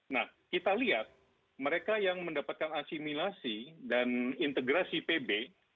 nah kita lihat mereka yang mendapatkan asimilasi dan integrasi pb